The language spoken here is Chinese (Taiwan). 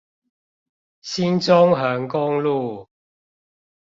新中橫公路